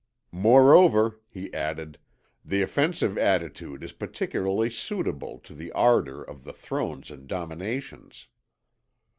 "Moreover," he added, "the offensive attitude is particularly suitable to the ardour of the Thrones and Dominations."